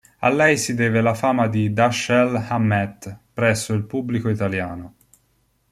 A lei si deve la fama di Dashiell Hammett presso il pubblico italiano.